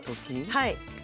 はい。